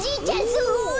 すごい！